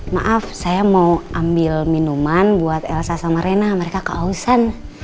maaf saya mau ambil minuman buat elsa sama rena mereka kehausan